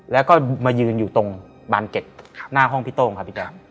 แล้วก็มายืนอยู่ตรงบานเก็ตหน้าห้องพี่โต้งครับพี่แจ๊ค